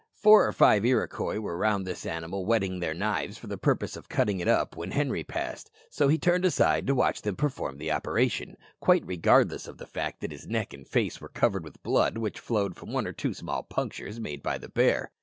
Four or five Iroquois were round this animal whetting their knives for the purpose of cutting it up when Henri passed, so he turned aside to watch them perform the operation, quite regardless of the fact that his neck and face were covered with blood which flowed from one or two small punctures made by the bear.